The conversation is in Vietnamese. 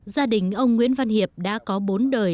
gia đình ông nguyễn văn hiệp đã có bốn đời